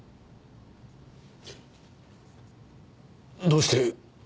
どうして！？